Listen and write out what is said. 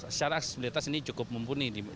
secara aksesibilitas ini cukup mumpuni